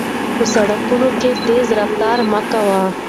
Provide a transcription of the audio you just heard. په سړکونو کې تېز رفتار مه کوئ.